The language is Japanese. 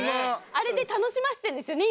あれで楽しませてるんですよね